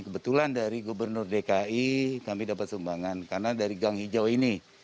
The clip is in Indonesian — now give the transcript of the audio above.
kebetulan dari gubernur dki kami dapat sumbangan karena dari gang hijau ini